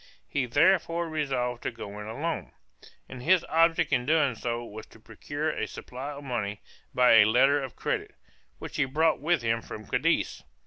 He therefore resolved to go in alone; and his object in doing so was to procure a supply of money by a letter of credit which he brought with him from Cadiz.